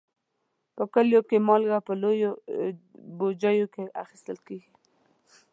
په کلیو کې مالګه په لویو بوجیو کې اخیستل کېږي.